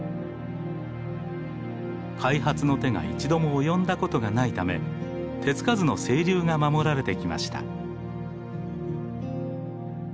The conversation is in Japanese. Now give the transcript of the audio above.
開発の手が一度も及んだことがないため手付かずの清流が守られてきました。